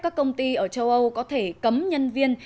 các công ty ở châu âu có thể cấm nhân viên